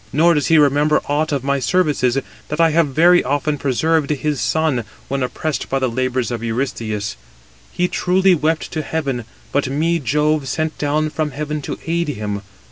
Nor does he remember aught of my services, that I have very often preserved his son, when oppressed by the labours of Eurystheus. He truly wept to heaven; but me Jove sent down from heaven to aid him.